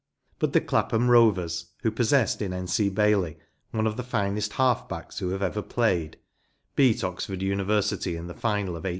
But the Clapham Rovers, who possessed in N. C. Bailey one of the finest half backs who have ever played, beat Oxford University in the final of 1880.